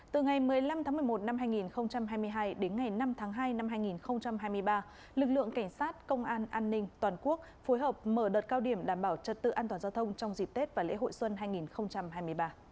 từ ngày một mươi năm tháng một mươi một năm hai nghìn hai mươi hai đến ngày năm tháng hai năm hai nghìn hai mươi ba lực lượng cảnh sát công an an ninh toàn quốc phối hợp mở đợt cao điểm đảm bảo trật tự an toàn giao thông trong dịp tết và lễ hội xuân hai nghìn hai mươi ba